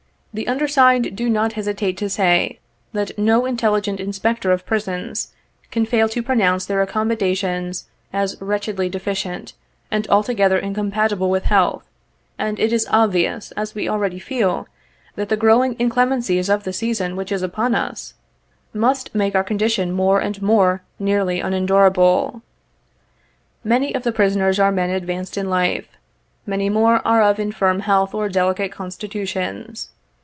The undersigned do not hesitate to say, that no intelligent inspector of prisons can fail to pronounce their accommodations as wretchedly deficient, and alto gether incompatible with health, and it is obvious, as we already feel, that the growing inclemencies of the season which is upon us, must make our condition more and more nearly unendurable. Many of the prisoners are men advanced in life ; many more are of infirm health or delicate constitutions.